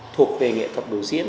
thuộc về nghệ thuật biểu diễn